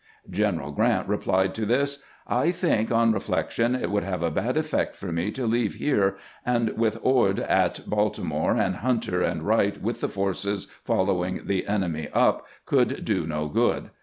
General Grant replied to this: "I think, on reflection, it would have a bad effect for me to leave here, and, with Ord at Baltimore, and Hunter and Wright with the forces following the enemy up, could do no good.